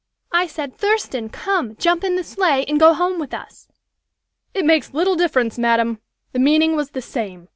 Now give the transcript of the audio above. I said, Thurston! Come! Jump in the sleigh and go home with us.'" "It makes little difference, madam! The meaning was the same.